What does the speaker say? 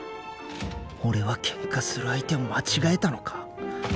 俺はケンカする相手を間違えたのか？